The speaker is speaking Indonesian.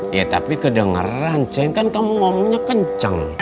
ya tapi kedengeran ceng kan kamu ngomongnya kencang